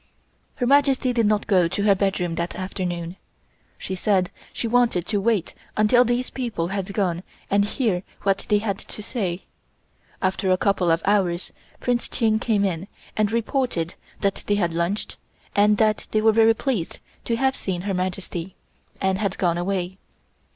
Her Majesty did not go to her bedroom that afternoon. She said she wanted to wait until these people had gone and hear what they had to say. After a couple of hours Prince Ching came in and reported that they had lunched, and that they were very pleased to have seen Her Majesty, and had gone away.